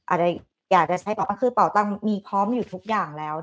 อาจจะใช้ป่าวตังคือป่าวตังมีพร้อมอยู่ทุกอย่างแล้ว